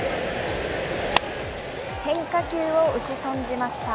変化球を打ち損じました。